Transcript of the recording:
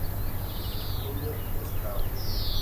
Julio Estrada.